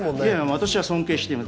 私は尊敬してます。